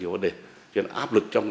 những tình tiết này được xem là